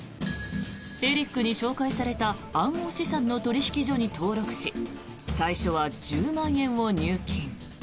エリックに紹介された暗号資産の取引所に登録し最初は１０万円を入金。